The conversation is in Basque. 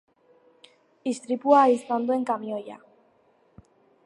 Istripua izan duen kamioia.